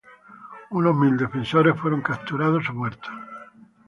Unos mil defensores fueron capturados o muertos.